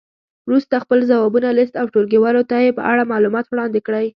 وروسته خپل ځوابونه لیست او ټولګیوالو ته یې په اړه معلومات وړاندې کړئ.